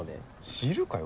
知るかよ！